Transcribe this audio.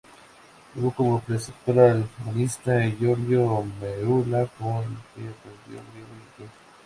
Tuvo como preceptor al humanista Giorgio Merula, con el que aprendió griego y latín.